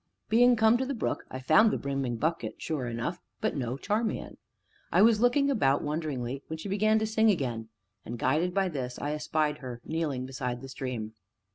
Being come to the brook I found the brimming bucket, sure enough, but no Charmian. I was looking about wonderingly, when she began to sing again, and, guided by this, I espied her kneeling beside the stream.